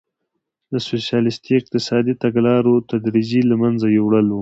د سوسیالیستي اقتصادي تګلارو تدریجي له منځه وړل وو.